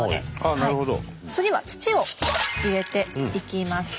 次は土を入れていきます。